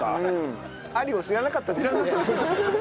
アリゴ知らなかったですよね？